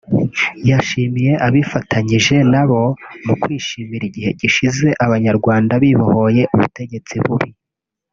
yashimiye abifatanyije na bo mu kwishimira igihe gishize Abanyarwanda bibohoye ubutegetsi bubi